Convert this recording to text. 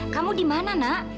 kamu dimana nak